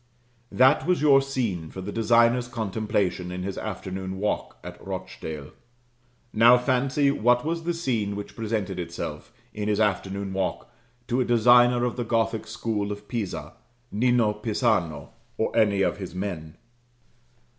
That was your scene for the designer's contemplation in his afternoon walk at Rochdale. Now fancy what was the scene which presented itself, in his afternoon walk, to a designer of the Gothic school of Pisa Nino Pisano, or any of his men.